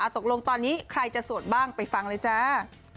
ตกลงตอนนี้ใครจะสวดบ้างไปฟังเลยจ้า